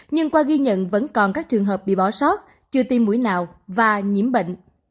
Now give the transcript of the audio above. nhưng qua ghi nhận vẫn còn các trường hợp bị bỏ sót chưa tiêm mũi nào và nhiễm bệnh